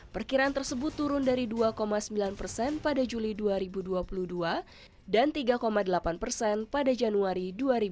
perkiraan tersebut turun dari dua sembilan persen pada juli dua ribu dua puluh dua dan tiga delapan persen pada januari dua ribu dua puluh